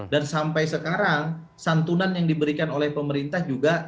dan sampai sekarang santunan yang diberikan oleh pemerintah juga